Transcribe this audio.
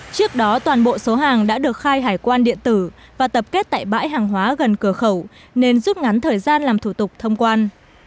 trước đó toàn bộ số hàng đã được khai hải quan điện tử và tập kết tại bãi hàng hóa gần cửa khẩu nên rút ngắn thời gian làm thủ tục thông quan